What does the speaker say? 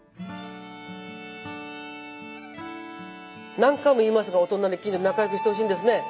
何回も言いますがお隣近所仲良くしてほしいんですね。